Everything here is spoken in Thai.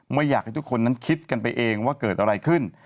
ไม่อยากให้ทุกคนนั้นคิดกันไปเองว่าเกิดอะไรขึ้น